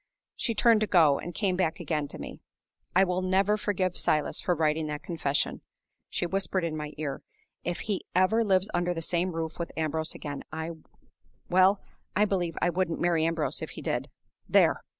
She turned to go, and came back again to me. "I will never forgive Silas for writing that confession!" she whispered in my ear. "If he ever lives under the same roof with Ambrose again, I well, I believe I wouldn't marry Ambrose if he did! There!"